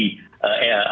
sudah banyak yang subsidi